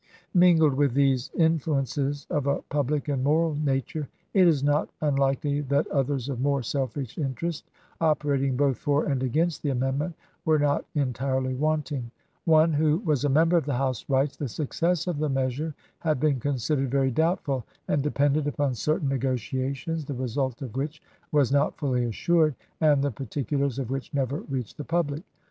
Mingled with these influences of a public and moral nature it is not unlikely that others of more selfish interest, operating both for and against the amendment, were not entirely wanting. One, who was a member of the House, writes :" The success of the measure had been considered very doubtful, and depended upon certain negotiations the result of which was not fully assured, and the particu lars of which never reached the public."